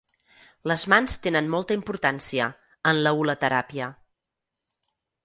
Les mans tenen molta importància, en la hulateràpia.